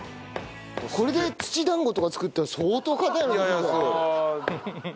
これで土だんごとか作ったら相当硬いのができるよ。